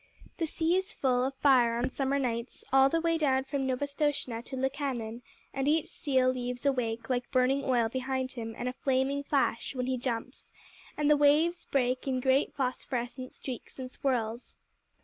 The sea is full of fire on summer nights all the way down from Novastoshnah to Lukannon, and each seal leaves a wake like burning oil behind him and a flaming flash when he jumps, and the waves break in great phosphorescent streaks and swirls.